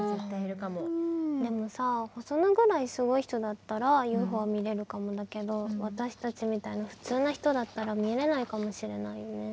でもさホソノぐらいすごい人だったらＵＦＯ見れるかもだけど私たちみたいな普通の人だったら見れないかもしれないよね。